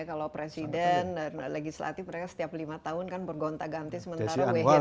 kalau presiden dan legislatif mereka setiap lima tahun kan bergonta ganti sementara weh ya